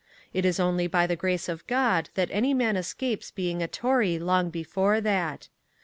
It is only by the grace of God that any man escapes being a Tory long before that.